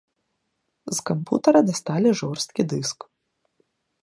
З кампутара дасталі жорсткі дыск.